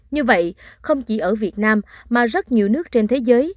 như vậy không chỉ ở việt nam mà rất nhiều nước trên thế giới